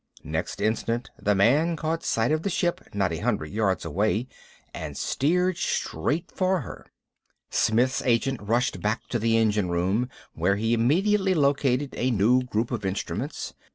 Next instant the man caught sight of the ship, not a hundred yards away; and steered straight for her. Smith's agent rushed back to the engine room, where he immediately located a new group of instruments.